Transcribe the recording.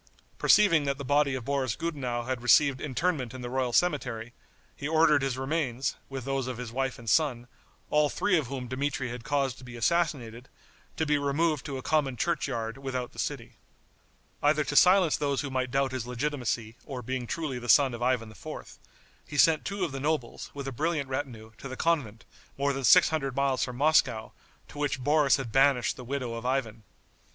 Perceiving that the body of Boris Gudenow had received interment in the royal cemetery, he ordered his remains, with those of his wife and son, all three of whom Dmitri had caused to be assassinated, to be removed to a common churchyard without the city. Either to silence those who might doubt his legitimacy or being truly the son of Ivan IV., he sent two of the nobles, with a brilliant retinue, to the convent, more than six hundred miles from Moscow, to which Boris had banished the widow of Ivan.